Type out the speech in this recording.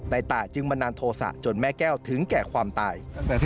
ตายจึงบันดาลโทษะจนแม่แก้วถึงแก่ความตาย